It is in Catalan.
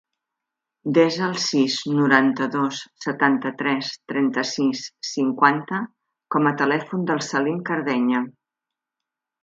Desa el sis, noranta-dos, setanta-tres, trenta-sis, cinquanta com a telèfon del Salim Cardeña.